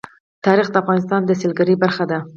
تاریخ د افغانستان د سیلګرۍ برخه ده.